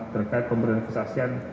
terkait pemberian kesaksian